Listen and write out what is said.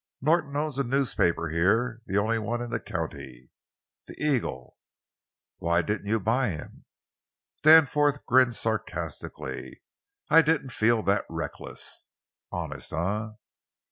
"Norton owns a newspaper here—the only one in the county—the Eagle." "Why didn't you buy him?" Danforth grinned sarcastically: "I didn't feel that reckless." "Honest, eh?"